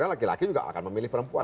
laki laki juga akan memilih perempuan